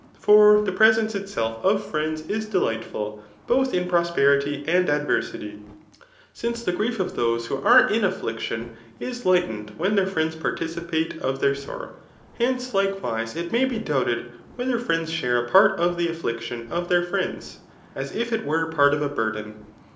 For the pre sence itself of friends is delightful both in prosperity amd adversity ; since the grief of thbse who are in a& flictbn is lightened when their friends participate of their sorrow. Hence, likewise, it may be doubted whether friends share a part o{ the affliction of their friends, as if it were part of a burden.